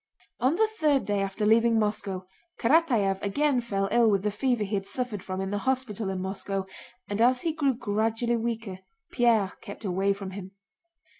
On the third day after leaving Moscow Karatáev again fell ill with the fever he had suffered from in the hospital in Moscow, and as he grew gradually weaker Pierre kept away from him.